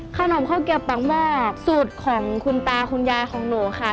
ข้าวเกียบปากหม้อสูตรของคุณตาคุณยายของหนูค่ะ